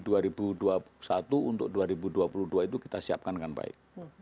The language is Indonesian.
dan dua ribu dua puluh satu untuk dua ribu dua puluh dua itu kita siapkan dengan baik